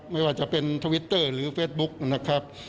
ไม่ว่าจะเป็นทวิตเตอร์หรือเฟสบุ๊คนะครับ